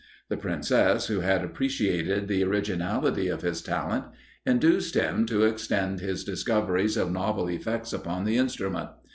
The Princess, who had appreciated the originality of his talent, induced him to extend his discoveries of novel effects upon the instrument.